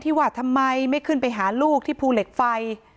ว่าทำไมไม่ขึ้นไปหาลูกที่ภูเหล็กไฟ